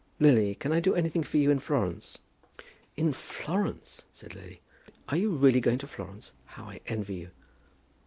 Lily, can I do anything for you in Florence?" "In Florence?" said Lily; "and are you really going to Florence? How I envy you."